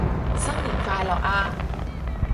新年快樂啊